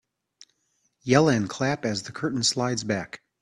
Yell and clap as the curtain slides back.